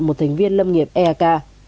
một thành viên lâm nghiệp ek